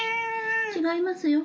違いますよ。